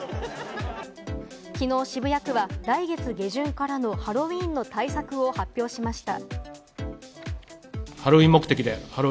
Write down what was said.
昨日、渋谷区は来月下旬からのハロウィーンの対策を発表しました。